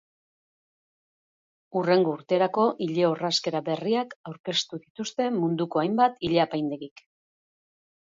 Hurrengo urterako ile orrazkera berriak aurkeztu dituzte munduko hainbat ileapaindegik.